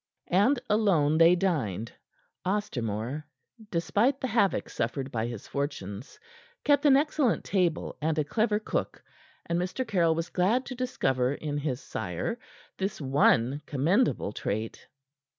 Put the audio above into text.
And alone they dined. Ostermore, despite the havoc suffered by his fortunes, kept an excellent table and a clever cook, and Mr. Caryll was glad to discover in his sire this one commendable trait.